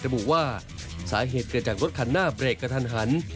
ระบุว่าสาเหตุเกิดจากรถคันหน้าเบรกกระทันหัน